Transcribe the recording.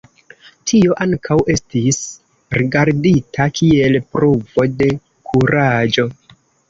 Tio ankaŭ estis rigardita kiel pruvo de kuraĝo.